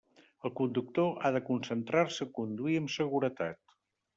El conductor ha de concentrar-se en conduir amb seguretat.